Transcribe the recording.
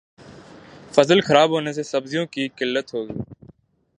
فصل خراب ہونے سے سبزیوں کی قلت ہوگئی